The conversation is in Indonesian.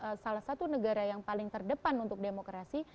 karena kita adalah salah satu negara yang paling terdepan untuk demokrasi